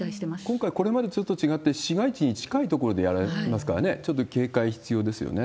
今回、これまでとちょっと違って、市街地に近い所でやられてますからね、ちょっと警戒必要ですよね。